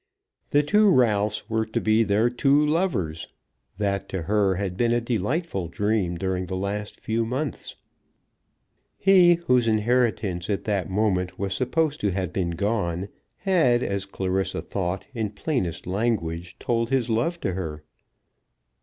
The two Ralphs were to be their two lovers. That to her had been a delightful dream during the last few months. He, whose inheritance at that moment was supposed to have been gone, had, as Clarissa thought, in plainest language told his love to her.